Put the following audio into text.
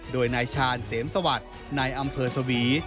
โดยนายชาญเสมสวัสดิ์นายอำเภอสวี